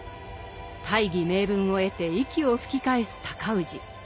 大義名分を得て息を吹き返す尊氏。